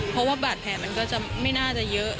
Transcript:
เพราะว่าบาดแผลมันก็จะไม่น่าจะเยอะ